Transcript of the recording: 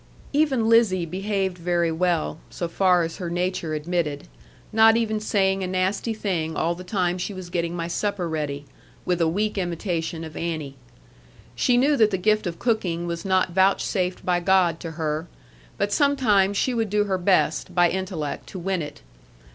Even Lizzie behaved very well, so far as her nature admitted; not even saying a nasty thing all the time she was getting my supper ready, with a weak imitation of Annie. She knew that the gift of cooking was not vouchsafed by God to her; but sometimes she would do her best, by intellect to win it.